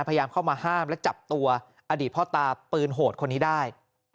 พยายามเข้ามาห้ามและจับตัวอดีตพ่อตาปืนโหดคนนี้ได้